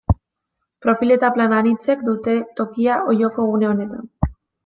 Profil eta plan anitzek dute tokia Olloko gune honetan.